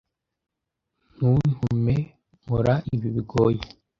Ntuntume nkora ibi bigoye.